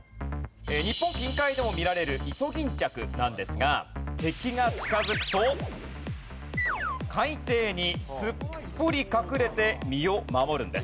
日本近海でも見られるイソギンチャクなんですが敵が近づくと海底にすっぽり隠れて身を守るんです。